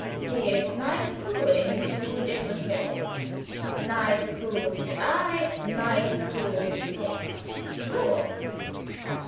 He is nice cool in two different ways; nice cool, to the eye, nice cool to the taste! Soh!